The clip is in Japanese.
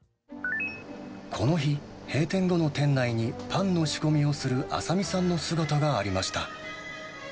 この日、閉店後の店内にパンの仕込みをする麻未さんの姿がありました。